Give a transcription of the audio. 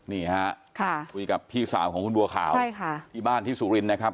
นี่ฮะคุยกับพี่สาวของคุณบัวขาวใช่ค่ะที่บ้านที่สุรินทร์นะครับ